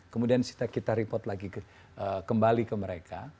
kemudian kita report lagi kembali ke mereka